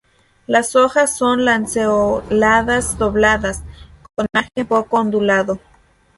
Las hojas son lanceoladas, dobladas, con margen poco ondulado.